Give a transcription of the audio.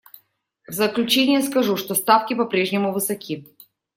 В заключение скажу, что ставки по-прежнему высоки.